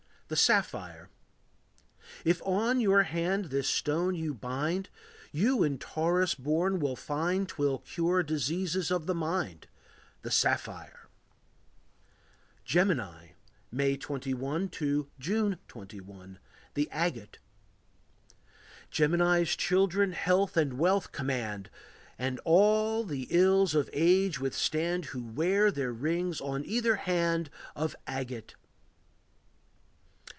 The Sapphire. If on your hand this stone you bind, You in Taurus born will find 'Twill cure diseases of the mind, The sapphire. Gemini. May 21 to June 21. The Agate. Gemini's children health and wealth command, And all the ills of age withstand, Who wear their rings on either hand Of agate.